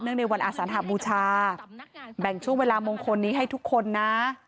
ในวันอาสานหบูชาแบ่งช่วงเวลามงคลนี้ให้ทุกคนนะ